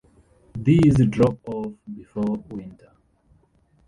These drop off before winter.